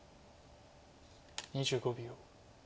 ２５秒。